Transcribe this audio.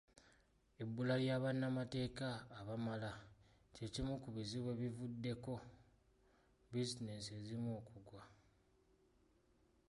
Ebbula lya bannamateeka bamala kye kimu ku bizibu ebivuddeko bbiizineesi ezimu okugwa